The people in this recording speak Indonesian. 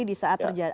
tidak berdiam diri